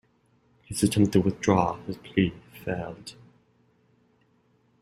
His attempt to withdraw his plea failed.